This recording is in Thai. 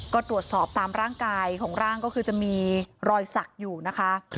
ก็ตรวจสอบตามร่างกายของร่างก็คือจะมีรอยสักอยู่นะคะ